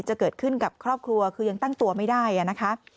จะเกิดขึ้นกับครอบครัวคือยังตั้งตัวไม่ได้นะคะ